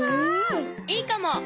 いいかも！